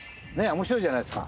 面白いじゃないですか。